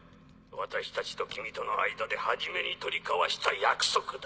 私たちと君との間で初めに取り交わした約束だ。